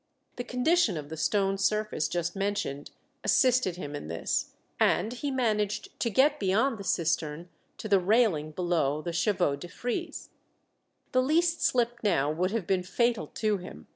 The condition of the stone surface just mentioned assisted him in this, and he managed to get beyond the cistern to the railing below the chevaux de frise. The least slip now would have been fatal to him.